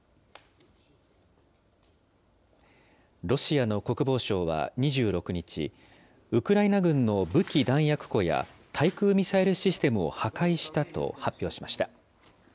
ロシアの国防省は２６日、ウクライナ軍の武器弾薬庫や、対空ミサイルシステムを破壊したと発表しました。